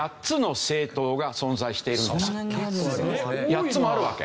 ８つもあるわけ。